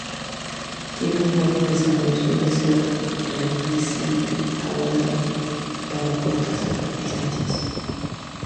Tiene un vuelo pesado y suele ser reticente a volar para cortas distancias.